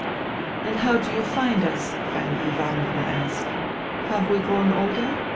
" And how do you find us ?" Fanny Ivanovna asked. " Have we grown older